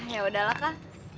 ya udahlah kak